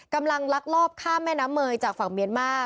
ลักลอบข้ามแม่น้ำเมยจากฝั่งเมียนมา